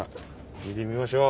見てみましょう。